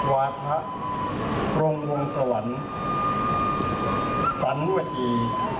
วาทะโรงวงสวรรค์สันวะอี